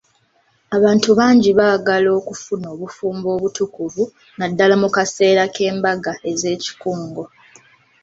Abantu bangi baagala okufuna obufumbo obutukuvu, naddaala mu kaseera k'embaga ez'ekikungo.